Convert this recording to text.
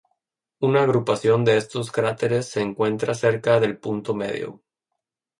Una agrupación de estos cráteres se encuentra cerca del punto medio.